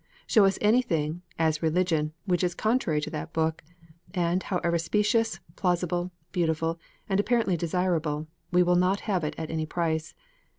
Show us any thing, as religion, which is contrary to that Book, and, however specious, plausible, beautiful, and apparently desirable, we will not have it at any price.